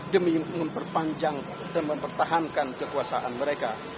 demi memperpanjang dan mempertahankan kekuasaan mereka